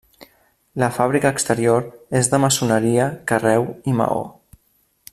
La fàbrica exterior és de maçoneria, carreu, i maó.